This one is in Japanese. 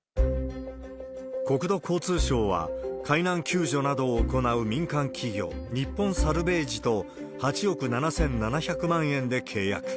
国土交通省は、海難救助などを行う民間企業、日本サルヴェージと、８億７７００万円で契約。